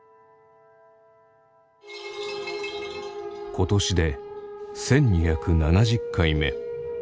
今年で１２７０回目。